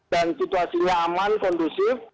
dan situasinya aman kondusif